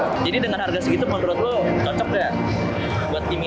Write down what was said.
jadi dengan harga segitu menurut lo cocok gak buat ingin